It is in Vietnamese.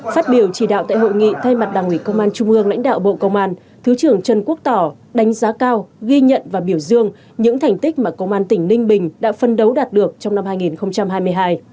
phát biểu chỉ đạo tại hội nghị thay mặt đảng ủy công an trung ương lãnh đạo bộ công an thứ trưởng trần quốc tỏ đánh giá cao ghi nhận và biểu dương những thành tích mà công an tỉnh ninh bình đã phân đấu đạt được trong năm hai nghìn hai mươi hai